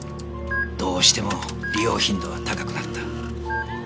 どうしても利用頻度は高くなった。